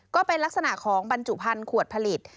ก็เป็นลักษณะของบรรจุภัณฑ์ขวดผลิต